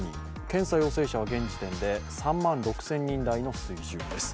検査陽性者は現時点で３万６０００人台の水準です。